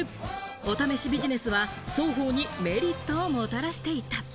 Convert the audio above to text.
お試しビジネスは双方にメリットをもたらしていた。